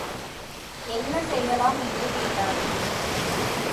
என்ன செய்யலாம் என்று கேட்டார்.